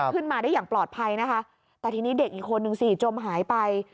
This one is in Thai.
ขึ้นมาได้อย่างปลอดภัยนะคะแต่ทีนี้เด็กอีกคนนึงสิจมหายไป